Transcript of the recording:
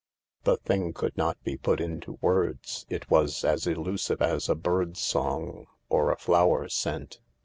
The thing could not be put into words. It was as elusive as a bird's song or a flower scent.